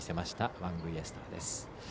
ワングイ・エスターです。